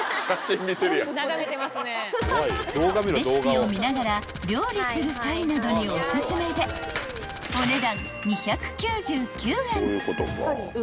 ［レシピを見ながら料理する際などにおすすめでお値段］